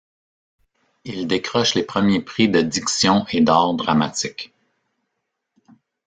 Il décroche les premiers prix de diction et d'Art Dramatique.